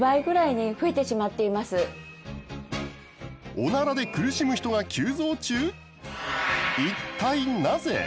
オナラで苦しむ人が急増中？